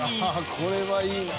ああこれはいいな。